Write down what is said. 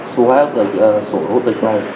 số hóa hộ tịch này